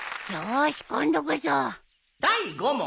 第５問。